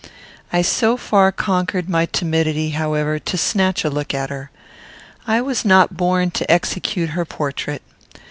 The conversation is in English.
I so far conquered my timidity, however, as to snatch a look at her. I was not born to execute her portrait.